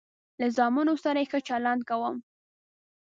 له زامنو سره ښه چلند کوم.